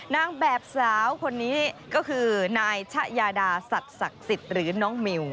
นางแบบสาวคนนี้ก็คือนายชะยาดาสัตว์ศักดิ์สิทธิ์หรือน้องมิว